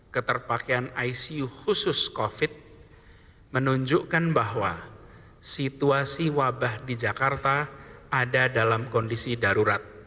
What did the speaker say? keterpakaian icu khusus covid menunjukkan bahwa situasi wabah di jakarta ada dalam kondisi darurat